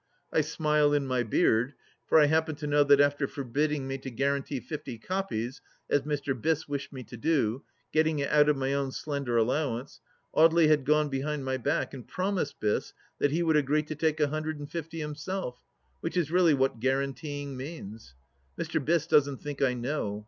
... I smile in my beard, for I happen to know that after forbidding me to guarantee fifty copies, as Mr. Biss wished me to do, getting it out of my own slender allowance, Audely had gone behind my back and promised Biss that he would agree to take a hundred and fifty himself, which is really what guaranteeing means. Mr. Biss doesn't think I know.